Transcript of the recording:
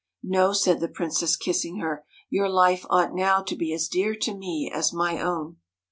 'No,' said the princess, kissing her, 'your life ought now to be as dear to me as my own.'